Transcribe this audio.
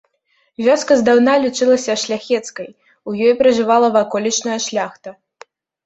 Вёска здаўна лічылася шляхецкай, у ёй пражывала ваколічная шляхта.